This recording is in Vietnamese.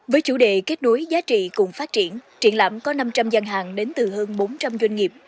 với chủ đề kết đối giá trị cùng phát triển triển lãm có năm trăm linh gian hàng đến từ hơn bốn trăm linh doanh nghiệp